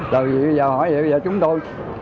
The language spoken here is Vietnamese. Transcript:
thì bây giờ hỏi vậy bây giờ chúng tôi